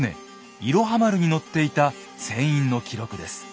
「いろは丸」に乗っていた船員の記録です。